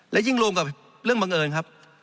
และยิ่งรวมกับเรื่องบังเอิญครับ